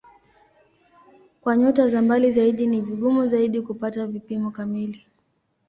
Kwa nyota za mbali zaidi ni vigumu zaidi kupata vipimo kamili.